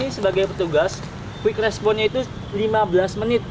ini sebagai petugas quick response nya itu lima belas menit